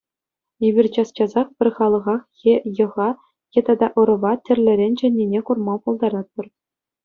Эпир час-часах пӗр халӑхах е йӑха е тата ӑрӑва тӗрлӗрен чӗннине курма пултаратпӑр.